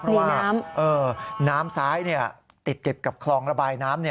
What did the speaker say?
เพราะว่าน้ำซ้ายติดกับคลองระบายน้ำ